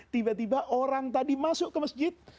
tiba tiba orang tadi masuk ke masjid